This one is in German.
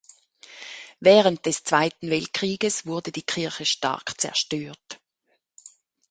Während des Zweiten Weltkrieges wurde die Kirche stark zerstört.